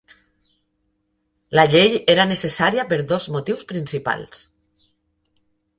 La llei era necessària per dos motius principals.